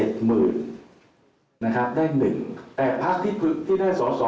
ได้๑แต่พักที่ได้สอสอ